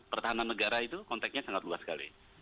pertahanan negara itu konteknya sangat luas sekali